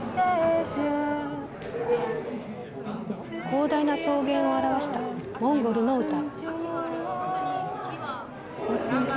広大な草原を表したモンゴルの歌。